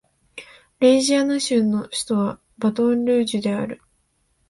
ルイジアナ州の州都はバトンルージュである